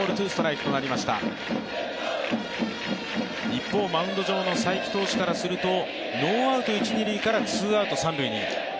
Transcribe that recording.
一方、マウンド上の才木投手からするとノーアウト一・二塁からツーアウト三塁に。